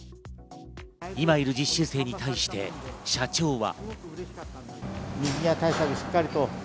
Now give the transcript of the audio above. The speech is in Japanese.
今いる実習生に対して社長は。